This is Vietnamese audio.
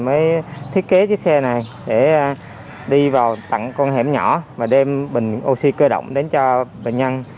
mới thiết kế cái xe này để đi vào tặng con hẻm nhỏ và đem bình oxy cơ động đến cho bệnh nhân